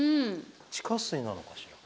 地下水なのかしら。